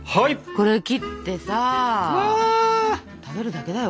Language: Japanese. これ切ってさ食べるだけだよ。